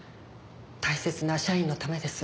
大切な社員のためです。